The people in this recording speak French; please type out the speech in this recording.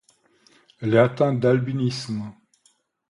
Elle est atteinte d'albinisme.